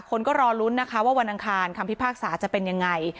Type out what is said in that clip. คนก็รอลุ้นนะคะว่าวันอังคารคำพิพากษาจะเป็นยังไง